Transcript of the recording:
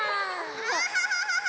アハハハハ！